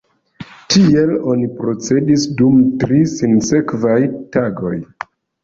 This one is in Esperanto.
Tiel oni procedis dum tri sinsekvaj tagoj.